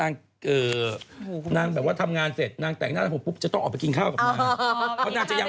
ถ้าสมมุตินางแบบว่าทำงานเสร็จแต่งหน้าทำผมจะต้องออกไปกินข้าวกับนาง